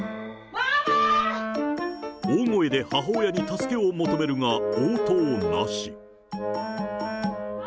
大声で母親に助けを求めるが応答なし。